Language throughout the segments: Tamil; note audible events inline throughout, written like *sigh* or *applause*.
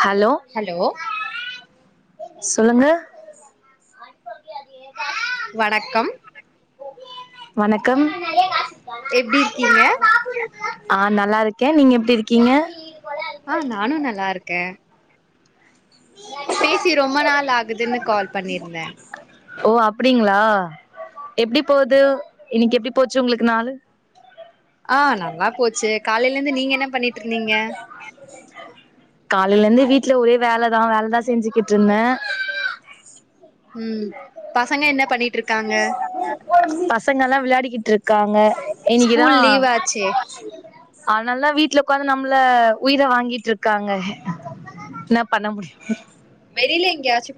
ஹலோ சொல்லுங்க வணக்கம் வணக்கம் எப்டி இருக்கீங்க ஆஹ் நல்லா இருக்கே நீங்க எப்டி இருக்கீங்க ஆஹ் நானு நல்லா இருக்கே பேசி ரொம்ப நாள் ஆகுதுன்னு கால் பண்ணிருந்தே ஓ அப்டிங்ளா எப்டி போது இன்னக்கி எப்டி போச்சு ஒங்களுக்கு நாளு ஆஹ் நல்லா போச்சு காலைல இருந்து நீங்க என்ன பண்ணிட்டு இருந்தீங்க காலைல இருந்து வீட்ல ஒரே வேலதா வேலதா செஞ்சிக்கிட்ருந்தே உம் பசங்க என்ன பண்ணிட்ருக்காங்க பசங்கலா விளையாடிக்கிட்டு இருக்காங்க இன்னிக்கிதா ஸ்கூல் லீவ் ஆச்சே அதுனால்தா வீட்ல ஒக்காந்து நம்ள உயிர வாங்கிட்ருக்காங்க என்ன பண்ண முடியு வெளில எங்யாச்சு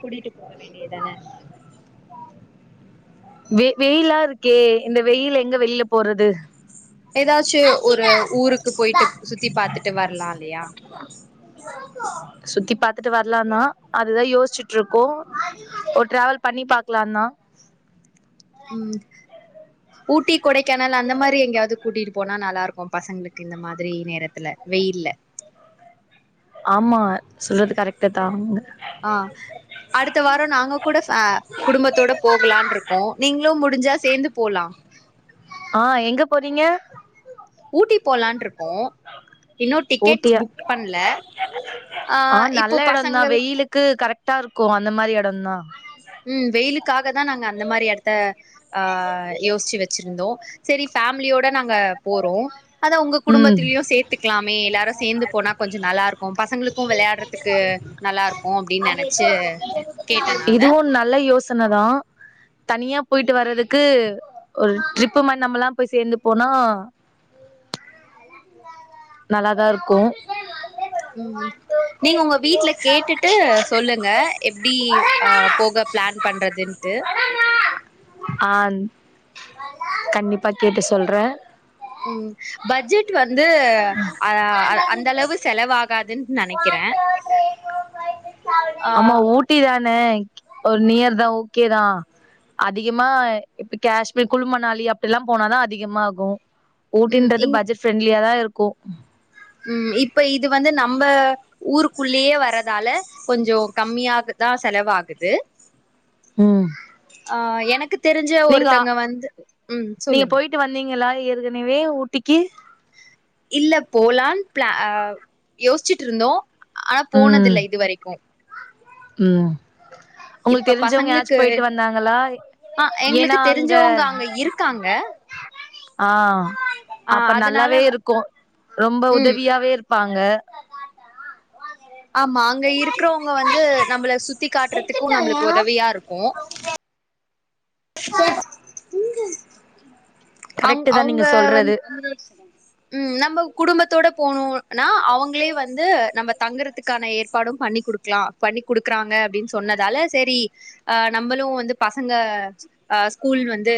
வெ வெயிலா இருக்கே இந்த வெயில்ல எங்க வெளில போறது எதாச்சு ஒரு ஊருக்கு போய்ட்டு சுத்தி பாத்துட்டு வர்லா இல்லயா சுத்தி பாத்துட்டு வர்லானா அதுதா யோஷ்ச்சுட்ருக்கோ ஒரு ட்ராவெல் பண்ணி பாக்லான்னா உம் ஊட்டி கொடைக்கானல் அந்த மாரி எங்யாது கூட்டிட்டு போனா நல்லாருக்கு பசங்களுக்கு இந்த மாதிரி நேரத்துல வெயில்ல ஆமா சொல்றது கரெக்ட்டு தாங்க ஆஹ் அடுத்த வார நாங்க கூட ஃபே குடும்பத்தோட போகலான்ருக்கோ நீங்ளு முடிஞ்சா சேந்து போலா ஆஹ் எங்க போறீங்க ஊட்டி போலான்ருக்கோ இன்னு டிக்கெட்ஸ் ஊட்டியா புக் பண்ல ஆஹ் இப்போ பசங்கள் ட்டா இருக்கு அந்த மாரி எடந்தா உம் வெயிலுக்காக தா நாங்க அந்த மாரி எடத்த ஆஹ் யோஸ்ச்சு வச்சிருந்தோ செரி ஃபேம்லியோட நாங் க போறோ அதா உங்க ம் குடும்பத்திலயு சேத்துக்லாமே எல்லாரு சேந்து போனா கொஞ்ச நல்லா இருக்கு பசங்களுக்கு வெளயாட்றதுக்கு நல்லா இருக்கு அப்டின் நெனச்சு கேட்டே நானு ல்ல யோசனதா தனியா போயிட்டு வர்றதுக்கு ஒரு ட்ரிப்பு மாரி நம்மலா போய் சேந்து போனா *inaudible* நல்லாதா இருக்கு உம் நீங்க உங்க வீட்ல கேட்டுட்டு சொல்லுங்க எப்டி அஹ் போக ஃப்ளான் பண்றதுன்ட்டு ஆஹ்ன் கண்டிப்பா கேட்டு சொல்றேன் உம் பட்ஜெட் வந் து அ அந்தளவு செலவாகாதுன் நெனைக்கிறேன் ஆஹ் ன ஒரு நியர் தான் ஓகேதான் அதிகமா இப்ப காஷ்மீர் குழுமணாலி அப்டிலாம் போனாதான் அதிகமாகும் ம் ஊட்டின்றது பட்ஜெட் ஃப்ரெண்ட்லியா தான் இரு க்கும் உம் இப்ப இது வந்து நம்ம ஊருக்குள்ளேயே வர்றதால கொஞ்சம் கம்மியாகத்தான் செலவாகுது உம் ஆன் எனக்கு தெரிஞ்ச ஒருத்தங்க வந்து உம் நீங்க சொல்லுங்க போயிட்டு வந்தீங்களா ஏற்கனவே ஊட்டிக்கு இல்ல போலான்னு ப்ளா அஹ் யோசிச்சுட்ருந்தோம் ஆனா போனது இல்ல இது வரைக்கும் உம் உங்களுக்கு இப்ப தெரிஞ்சவுங்க யாராச்சும் பசங்களுக்கு போயிட்டு வந்தாங்களா ஆ ஏன்னா எங்களுக்கு அங்க தெரிஞ்சவங்க அங்க இருக்காங்க ஆஹ் ஆ அப்ப அதனால நல்லாவே இருக்கும் ரொம்ப ம் உதவியாவே இருக் ப்பாங்க ஆமா அங்க இருக்கிறவுங்க வந்து நம்மள சுத்தி காட்றதுக்கும் நம்மளுக்கு உதவியா இருக்கும் கரெக்ட்டு தான் நீங்க சொல்றது உம் நம்ம குடும்பத்தோட போனும் ஆனா அவுங்களே வந்து நம்ம தங்குறதுக்கான ஏற்பாடும் பண்ணி் குடுக்கலாம் பண்ணி குடுக்குறாங்க அப்டின்னு சொன்னதால சேரி அஹ் நம்மளும் வந்து பசங்க அஹ் ஸ்கூல் வந்து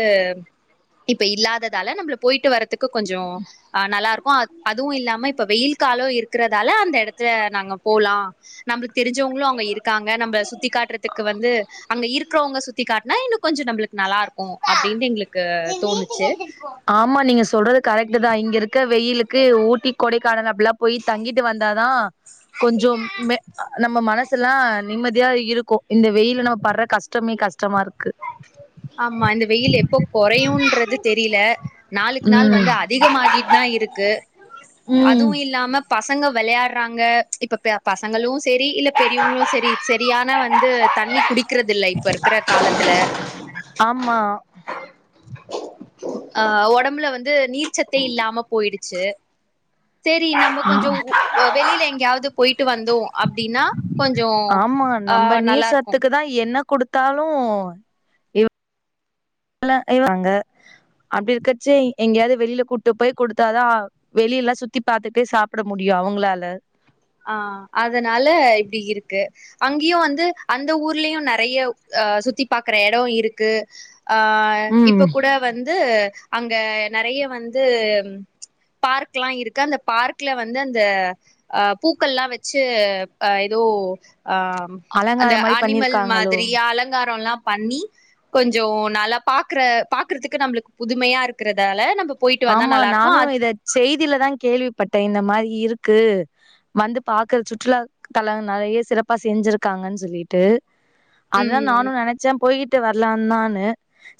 இப்ப இல்லாததால நம்மள போயிட்டு வர்றது க்கு கொஞ்சம் நல்லாருக்கும் அத் அதுவும் இல்லாம இப்ப வெயில் காலோ இருக்கறதால அந்த இடத்துல நாங்க போலாம் நம்மளுக்கு தெரிஞ்சவங்களும் அங்க இரு க்காங்க நம்ப சுத்தி காட்டுறத்துக்கு வந்து அங்க இருக்கிறவங்க சுத் தி காட்னா இன்னு கொஞ்சும் நம்ளுக் நல்லா இருக் ஆமா நீங்க சொல்றது கரெக் ட்தான் இங்க இருக்க வெயிலுக்கு ஊட்டி கொடைக்கானல் அப்டிலாம் போய் தங்கிட்டு வந்தாதான் கொஞ்சம் மே நம்ம மனசுல்லாம் நிம்மதியா இருக்கும் இந்த வெயில நம்ம படுற கஷ்டமே கஷ்டமா இருக்கு ஆமா இந்த வெயில் எப்போ குறையுன்றது தெரியல நாளுக்கு நாள் வந்து ம் அதிகம் ஆகிட் தான் இருக்கு ம் அதுவும் இல்லாம பசங்க விளையாட்றாங்க இப்ப ப்ய பசங்களும் செரி இல்ல பெரியவுங்களும் செரி செரியான வந்து தண்ணீ குடிக்கறத இல்ல இப்ப இருக்கற காலத்துல ஆமா அ உடம்புல வந்து நீர்ச்சத்தே இல்லாம போயிடுச்சு சரி நம்ம கொஞ்சம் உ வெளியில எங்கயாவது ந்து போயிட்டு வந்தோ அப்படின்னா ஆமா நம்ப நீர் சத்துக்கு தா என்ன குடுத்தாலு ல இவ வாங்க அப்டி இருக்கச்சு எங்கேயாவது வெளியில கூட்டு போய் குடுத்தாதா வெளிய எல்லாம் சுத்தி பாரத்துட்டே சாப்பிட முடியும் அவங்களால ஆ அதனால இப்படி இருக்கு அங்க்யும் வந்து அந்த ஊர்லயும் நிறைய ஆ சுத்தி பாக்குற இடம் இருக்கு ஆ ஏ இப்ப ம் கூட வந்து அங்க நிறைய வந்து பார்க்லாம் இருக்கு அந்த பார்க்கல வந்து அந்த அ பூக்கள்ல்லாம் வச்சு அ ஏதோ ஆம் அந்த அலங்கார மாரி ஆனிமல் பண்ணிருக்காங்களோ மாதிரி அலங்காரம்ல்லாம் பண்ணி கொஞ்சம் நலா பாக்குற பாக்குறதுக்கு நம்ளுக் புதுமையா இருக்கறதால நம்பு ஆமா நானு இத செய்தில தான் கேள்விப்பட்டேன் இந்த மாரி இருக் க்கு வந்து பாக்குற சுற்றுலா தலன் நிறைய சிறப்பா செஞ்சிருக்காங்கன் சொல்லிட்டு அதான் ம் நானும் நினைச்சேன் போயிட் ட்டு வரலான்நான்னு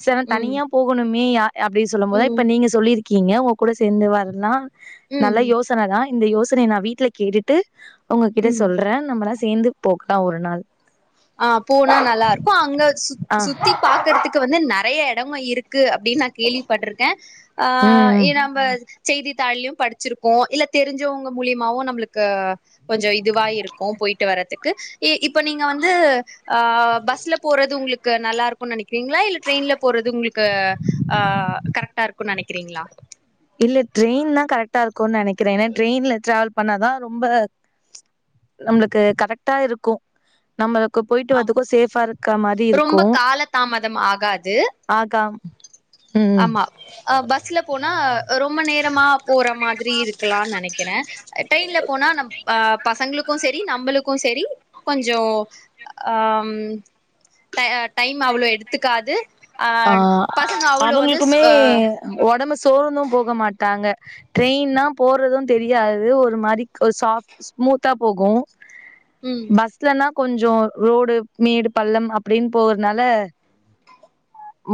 செவன் ம் தனியா போகணும் மீயா அப்படின்னு சொல்லும் போதே ம் இப்ப நீங்க இருக்கீங்க உ கூட சேர்ந்து வரலா நல்ல ம் யோசனை தான் இந்த யோசனை நான் வீட்ல கேட்டுட்டு உங்ககிட்ட ம் சொல்றேன் நம்மலா சேர்ந்து போக் லா ஒரு நாள் ஆஹ் போனா நல்லா இருக்கும் அங்க சு ஆ சுத்தி பாக்குறதுக்கு வந்து நெறைய இடமும் இருக்கு இருக்கு அப்பிடி நான் கேள்விப்பட்டிருக்கேன் ம் ஆஹ் ஏ ம் நம்ம செய்தித்தாள்லயும் படிச்சிருக்கோம் இல்ல தெரிஞ்சவங்க மூலியமாவும் நம்மளுக்கு கொஞ்சம் இதுவாய இருக்கும் போயிட்டு வர்றதுக்கு இ இப்ப நீங்க ஆஹ் பஸ்ல போறது உங்களு க்கு நல்லா இருக்கு நினைக்கிறீங்களா இல்ல ட்ரெயின்ல போறது உங்களுக்கு ஆஹ் கரெக்டா இருக்குன்னு நினைக்கிறீங்களா இல்ல ட்ரெயின்தான் கரெக்டா இருக்கும் நினைக்கிறேன் ஏன்னா ட்ரெயின்ல டிராவல் பண்ணாதான் ரொம்ப நம்மளுக்கு கரெக்டா இருக்கும் நம்மளு போயிட்டு ஆ வருவதற்கு சேப்பா இருக்க மாதிரி ரொம்ப இருக்கும் கால தாமதம் ஆகாது ஆகாம் ஆமா பஸ்ல போனா ரொம் ரொம்ப நேரமா போற மாரி இருக்கலானு நெனைக்கிறே ட்ரெயின்ல போனா நம் பா பசங்களுக்கு செரி நம்மளுக்கு செ செரி கொஞ்சோ ஆம் டை டைம் அவ்ளோ எடுத்துக்காது ஆ ஆது பசங் அவங்களுக்குமே ஒடம் ம்பு சோர்ந்து போக மாட்டாங்க ட்ரெயின்னா போறது தெரியாது ஒரு மாரி க் ஒரு சாஃப்ட் ஸ்மூத்தா போகு ம் பஸ்லனாப் கொஞ்சோ ரோடு மேடு பள்ளம் அப்பிடின்னு போறானால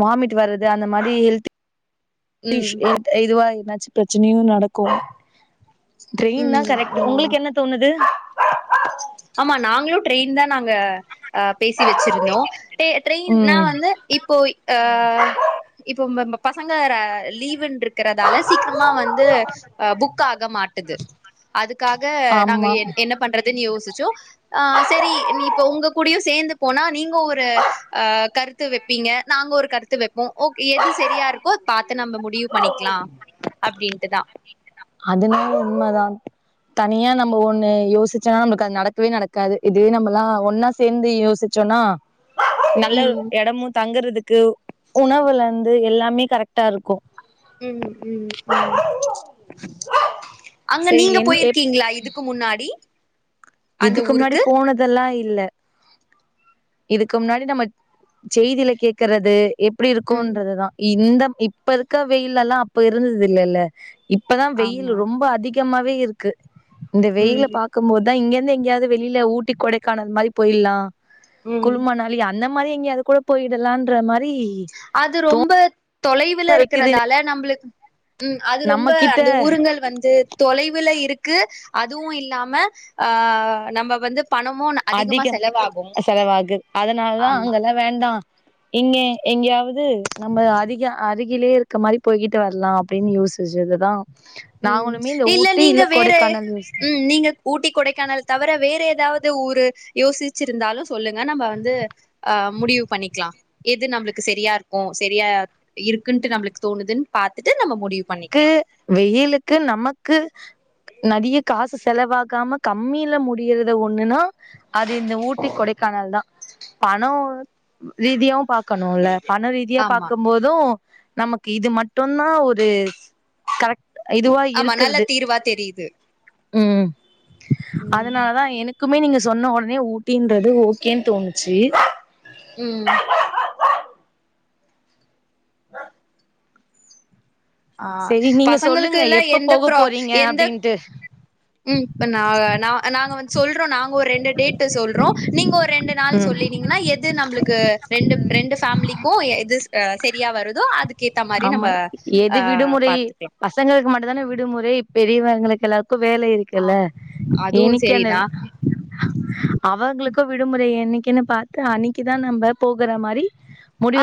வாமிட் வர்றது அந்த மாரி ஹெல்த்து ஸ் ம் எது *unintelligible* னாச்சு பிரச்சனையு நடக்கு ட்டெயின்தா ம் கரெக்ட்டு ம் உங்களுக்கு என்ன தோணுது ஆமா நாங்களு ட்ரெயின் தா நாங்க ஆ, பேசி வச்சிருந்தோ டெ ட்ரெயின்னா ம் வந்து இப்போ ஆ இப்போ *unintelligible* பசங்க ர லீவ்ன்ருக்கு க்கறதால சீக்கிரமா வந்து ஆ புக் ஆக மாட்டுது அதுக்காக நாங்க ஆமா என்ன பண்றதுன்னு யோசிச் ச்சோ ஆ செரி நீ இப்போ உங்க கூடியு சேந்து போனா நீங்க ஒரு ஆ கருத்து வைப்பீங்க நாங்க ஒரு கருத்து வைப்போ ஒக்கே எது சரியா இருக்கோ அது பாத்து நம்ம முடிவு பண்ணிக்கலா அப்டின்ட்டுதா அதனால உண்மைதா தனியா நம்ம ஒண்ணு யோசிச்சோனா நம்பளுக்கு அது நடக்கவே நடக்காது இதுவே நம்மல்லா ஒன்னா சேந்து யோசிச்சோன்னா நல்ல ம் எடமு தங்குறதுக் க்கு உணவுலந்து எல்லாமே கரெக்டா இருக்கு உம் உம் உம் *inaudible* அங்க செரி நீங்க என் எப் போயிருக்கீங்களா இதுக்கு முன்னாடி அந்த இதுக்கு முன்னாடி ஊருக்கு போனதெல்லா இல் இல்ல இதுக்கு முன்னாடி நம்ம செய்தியில கேக்குறது எப்டி ம் இருக்குன்றதுதா இந்த இப்பருக்க வெயில்லலாம் அப்ப இருந்ததுல்ல ல இப்பதான் வெயிலு ஆமா ரொம்ப அதிகம் திகமாவே இருக்கு இந்த வெயில்ல ம் பாக்கும்போதான் இங்க *unintelligible* எங்கயாது வெளில ஊட்டி கொடைக்கானல் மாரி போய்ல்லாம் ம் குழுமன்னாலி அன்னம் மாரி எங்கயாது கூட போயிடல்லான்ற மாரி அது ரொம்ப தொலைவுல வைக்குது இருக்குறதுனால நம்ளுக்கு ம் அதுரொம்ப நம்ம கிட்ட அந்த ஊருங்கள் வந்து தொலைவுல இருக்கு அதுவும் இல்லாம ஆ நம்ம வந்து பணமு அதிகமா அதிகம் செலவாகு செலவாகு அதனாலதான் ஆமா அங்கல்லாம் வேண்டாம் இங்க எங்கயாவுது நம்ப அருக அருகிலேயே இருக்க மாதிரி போய்கிட்டு வர்லாம் அப்படின்னு யோசிச்சது தான் ம் இல்ல நீங்க வேற கொடைக்கானல் யோசி உம் நீங்க ஊட்டி கொடைக்கானல் தவர வேற ஏதாவது ஊரு யோசிச்சு இருந்தாலும் சொல்லுங்க நம்ம வந்து ஆஹ் முடிவு பண்ணிக்லாம் எது நம்ளுக்கு சரியா இருக்கும் சரியா இருக்குன்ட்டு நம்ளுக்கு தோணுதுன்னு பாத்திட்டு நம்ம முடிவு க்கு பண்ணிக்கலா வெயிலு க்கு நமக்கு நறிய காஸ்சு செலவாகாம கம்மில முடியிற ஒண்ணுன்னா அது இந்த ஊட்டி கொடைக்கானல் தான் பணம் ரீதியாவும் பாக்கணுல பண ரீதியா ஆமா பாக்கும்போதும் நமக்கு இது மட்டோம்தா ஒரு கரட் இதுவா ஆமா நல்ல இருக்ற்து தீர்வா தெரியுது ம் ம் அதனாலதான் எனக்குமே நீங்க சொன்ன வோடனே ஊட்டின்றது ஓகேன்னு தோணுச்சு உம் *inaudible* ஆ சரி நீங்க பசங்களுக்கு சொல்லுங்க எல்லா எப்ப எந்த போக ப்ரா போறீங்க எந்த அப்படின்ட்டு ம் இப்ப நா நாங்க வந்து சொல்றோ நாங்க ஒரு ரெண்டு டேட்டு சொல்றோம் நீங்க ஒரு ரெண்டு நாள் ம் சொல்லினீங்கன எது நம்ளுக்கு ரெண்டு ரெண்டு ஃபேமிலிக்கும் எது சரியா வருதோ அதுக் ஆம்மா எது விடுமுறை பாத்துக்கலா பசங்களுக்கு மட் இப்ப தான விடுமுறை பெரியவங்களுக்கு எல்லா இப்ப வேல ஆ இருக்குல்ல அதுவு இன்னிக் அந் சரிதா *inaudible* அவங்களுக்கோ விடுமுறை என்னிக்கு என்ன பாத்த அன்னைக்கி தா நம்ப போகுற மாரி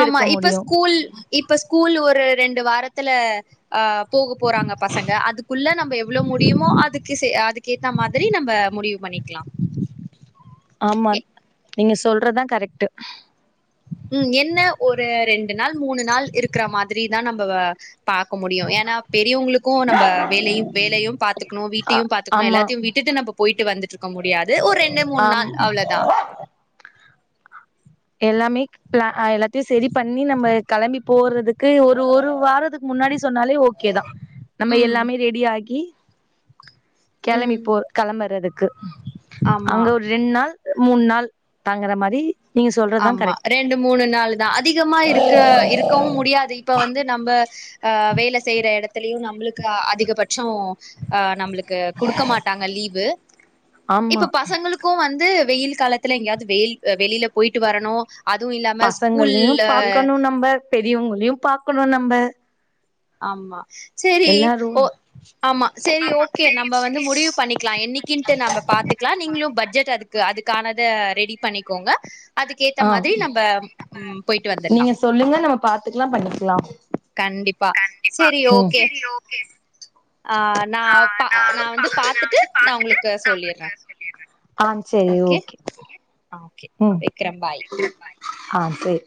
ஆமா இப்ப முடியு ஸ்கூல் இப்ப ஸ்கூல் ஒரு ரெண்டு வாரத்துல அ, போக போறாங்க பசங்க அதுக்குள்ள நம்ம எவ்ளோ முடியுமோ அதுக்கு செ அதுக்க ஏத்த மாதிரி நம்ம முடிவு பண்ணிக்கலா ஆமா எ நீங்க சொல்றதா கரெக்ட்டு உம் என்ன ஒரு ரெண்டு நாள் மூணு நாள் இருக்கிற மாதிரிதா நம்ப வ பாக்க முடியு ஏன்னா பெரியவங்களுக்கு நம்ம வேலையு வேலையு பாத்துக்கணு ஆ வீட்டையு பாத்துக்கணு ஆமா எல்லாத்தையு விட்டுட்டு நம்ப போயிட்டு வந்துட்ருக்க முடியாது ஒரு ரெண்டு மூணு ஆம் நாள் அவ்ளோதா எல்லாமே *unintelligible* எல்லாத்தையு செரி பண்ணி நம்ம கெளம்பி போறதுக்கு ஒரு ஒரு வாரத்துக்கு முன்னாடி சொன்னாலே ஓகேதா நம்ப ம். எல்லாமே ரெடி ஆகி கெளம்பி ம். போ கெளம்பறது ஆமா, அங்க ஒரு ரெண்டு நாள் மூணு நாள் தங்குற மாரி நீங்க சொல்றதா ஆமா கரெக்ட் ரெண்டு மூணு நாள் தா அதிகமா இருக்க இருக்கவும் முடியாது இப்ப வந்து நம்ம ஆ வேல செய்யற எடத்துலயு நம்மளுக்கு அதிக ப ம் நம்ளுக்கு கொடுக்க மாட்டாங்க லீவு ஆமா இப்ப பசங்களுக்கு வந்து வெயில் காலத்துல எங்காயவது வெயில் வெளியில போயிட்டு வரணு அதுவும் இல்லாம பசங்களையு ஸ்கூல்ல பாக்கணு நம்ம பெரியவங்களையு பாக்கணு நம்ம ஆமா சரி எல்லாரு ஓ ஆமா சரி ஓகே நம்ம வந்து முடிவு பண்ணிக்கலா என்னைக்கின்டு நம்ம பாத்துக்கலா நீங்களு பட்ஜெட் அதுக்கு அதுக் கானத ரெடி பண்ணிக்கோங்க அதுக்கு ஏத்த ஆ மாதிரி நம்ம போயிட்டு வந்துரலாம் நீங்க சொல்லுங்க நம்ம பாத்துக்கலா பண்ணிக்கலா கண்டிப் ப சரி ம் ஓகே ஆஹ் நா ப நா வந்து பாத்துட்டு ந உங்களுக்கு சொல்லிடுறே ஆ சரி ஓகே ஓகே வெக்கிறே பாய் ஆஹ் சேரி